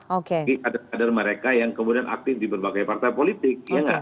jadi ada kader mereka yang kemudian aktif di berbagai partai politik